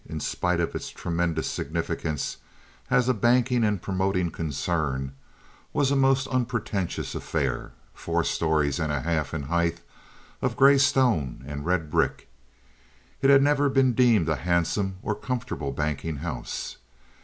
in spite of its tremendous significance as a banking and promoting concern, was a most unpretentious affair, four stories and a half in height of gray stone and red brick. It had never been deemed a handsome or comfortable banking house.